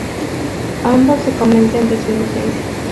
Ambos se convencen de su inocencia.